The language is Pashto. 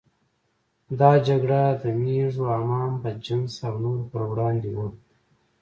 دا جګړه د مېږو، حمام بدجنسه او نورو پر وړاندې وه.